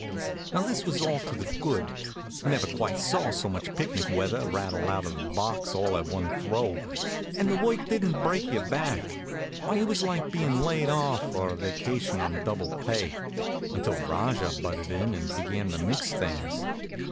Now this was all to the good. Never saw quite so much picnic weather rattled out of the box all at one throw. And the work didn't break your back. Why, it was like bein' laid off for a vacation on double pay until Rajah butted in and began to mix things.